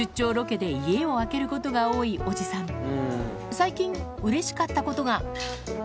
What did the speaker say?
最近うれしかったことが。